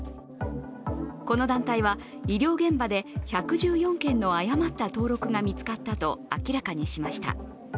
この団体は医療現場で１１４件の誤った登録が見つかったと明らかにしました。